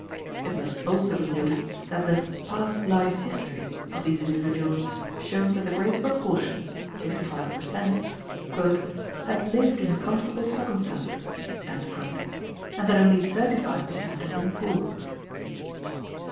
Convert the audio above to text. It must also be noticed that the "past life history" of these individuals showed that the greater proportion (fifty five per cent.) "had lived in comfortable circumstances," and that only thirty five per cent. had been poor.